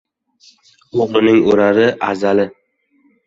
O'g'rining urari — azali.